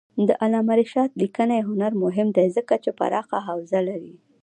د علامه رشاد لیکنی هنر مهم دی ځکه چې پراخه حوزه لري.